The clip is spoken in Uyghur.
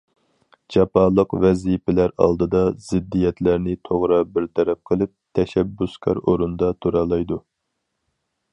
جاپالىق ۋەزىپىلەر ئالدىدا، زىددىيەتلەرنى توغرا بىر تەرەپ قىلىپ، تەشەببۇسكار ئورۇندا تۇرالايدۇ.